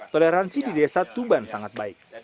toleransi di desa tuban sangat baik